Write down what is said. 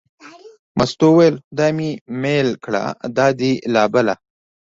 مستو وویل: خدای مې مېل کړه دا دې لا بله.